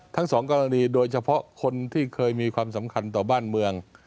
ทั้งสองกรณีโดยเฉพาะคนที่เคยมีความสำคัญต่อบ้านเมือง